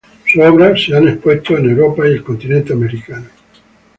Sus obras han sido expuestas en Europa y el continente americano.